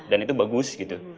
dan itu bagus gitu